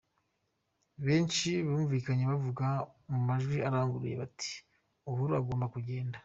Benshi bumvikanye bavuga mu majwi aranguruye bati “Uhuru agomba kugenda”.